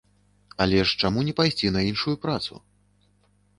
Але ж чаму не пайсці на іншую працу?